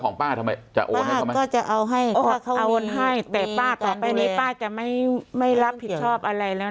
ของป้าทำไมจะเอาให้แต่ป้าต่อไปนี้ป้าจะไม่รับผิดชอบอะไรแล้ว